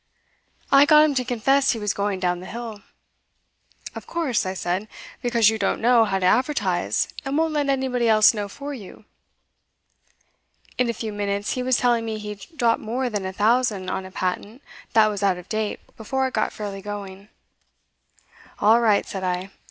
I got him to confess he was going down the hill. "Of course," I said, "because you don't know how to advertise, and won't let anybody else know for you?" In a few minutes he was telling me he'd dropped more than a thousand on a patent that was out of date before it got fairly going. "All right," said I.